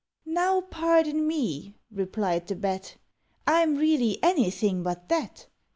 "Now, pardon me," replied the Bat, "I'm really anything but that.